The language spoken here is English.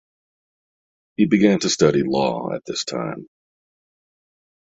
He began to study law at this time.